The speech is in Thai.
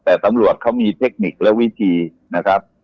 แต่ตำรวจเขามีเทคนิคและวิธีนะครับ